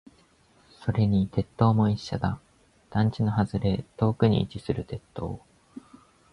それに鉄塔も一緒だ。団地の外れ、遠くに位置する鉄塔。